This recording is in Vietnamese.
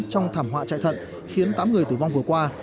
trong thảm họa chạy thận khiến tám người tử vong vừa qua